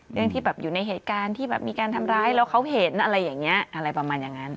เรื่องที่แบบอยู่ในเหตุการณ์ที่แบบมีการทำร้ายแล้วเขาเห็นอะไรอย่างนี้อะไรประมาณอย่างนั้น